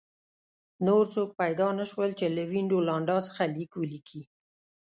نور څوک پیدا نه شول چې له وینډولانډا څخه لیک ولیکي